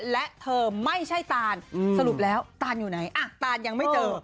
และเธอไม่ใช่ตานสรุปแล้วตานอยู่ไหนอ่ะตานยังไม่เจอ